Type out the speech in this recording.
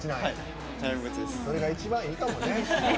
それが一番ええかもね。